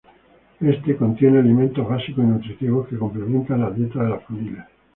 Este contiene alimentos básicos y nutritivos que complementa la dieta de las familias.